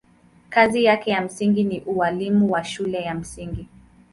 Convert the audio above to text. Kazi yake ya msingi ni ualimu wa shule ya msingi.